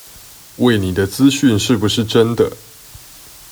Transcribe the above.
餵你的資訊是不是真的